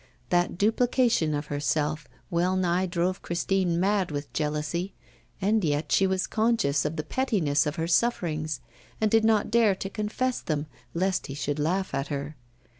That duplication of herself well nigh drove Christine mad with jealousy, and yet she was conscious of the pettiness of her sufferings, and did not dare to confess them lest he should laugh at her.